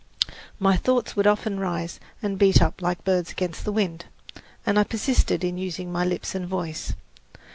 My thoughts would often rise and beat up like birds against the wind, and I persisted in using my lips and voice.